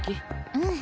うん。